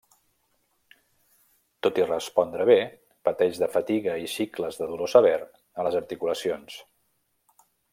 Tot i respondre bé, pateix de fatiga i cicles de dolor sever a les articulacions.